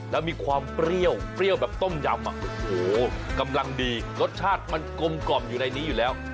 แล้วมีความเปรี้ยวเปรี้ยวแบบต้มยำโอ้โหกำลังดีรสชาติมันกลมกล่อมอยู่ในนี้อยู่แล้ว